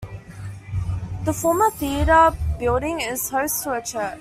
The former theater building is host to a church.